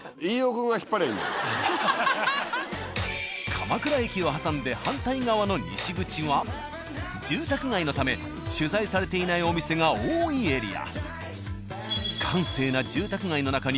鎌倉駅を挟んで反対側の西口は住宅街のため取材されていないお店が多いエリア。